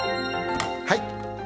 はい。